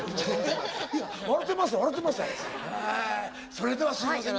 それではすいませんが。